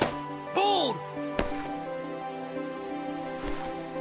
⁉ボール！